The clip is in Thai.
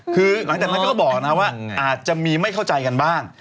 คือหลังจากนั้นก็บอกนะว่าอาจจะมีไม่เข้าใจกันบ้าง